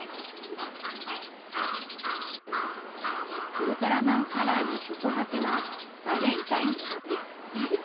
ウルトラマンカラーのチョコがけはバレンタインにもピッタリ。